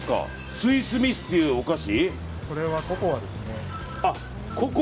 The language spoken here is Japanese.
スイスミスというお菓子？